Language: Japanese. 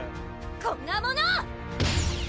「こんなもの！」